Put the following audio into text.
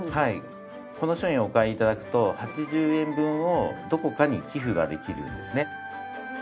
この商品をお買い頂くと８０円分をどこかに寄付ができるんですね。